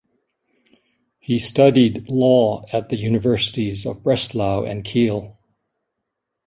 He studied law at the universities of Breslau and Kiel.